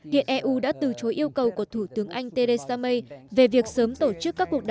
điện eu đã từ chối yêu cầu của thủ tướng anh theresa may về việc sớm tổ chức các cuộc đại dịch